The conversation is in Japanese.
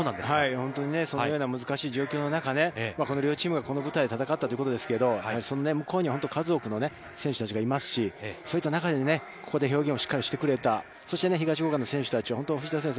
本当にそのような難しい状況の中、この両チームがこの舞台で戦ったということですけれども、その向こうには数多くの選手たちがいますし、そんな中で表現してくれた、そして東福岡の選手たち、本当藤田先生